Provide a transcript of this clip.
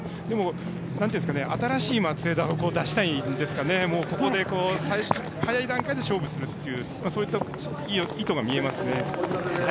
でも、新しい松枝を出したいんですかね、ここの早い段階で勝負するっていうそういった意図が見えますね。